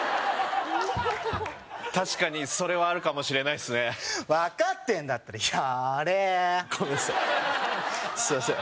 確かにそれはあるかもしれないっすね分かってんだったらやれごめんなさいすいません